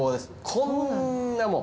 こんなもう。